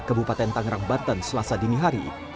kebupaten tangrang banten selasa dinihari